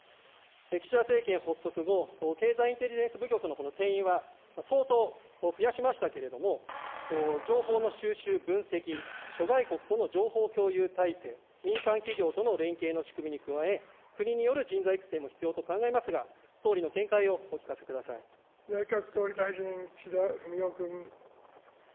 岸田政権発足後、経済インテリジェンス部局の定員は相当増やしましたけれども、情報の収集、分析、諸外国との情報共有体制、民間企業との連携の仕組みに加え、国による人材育成も必要と考えますが、総理の見解を内閣総理大臣、岸田文雄君。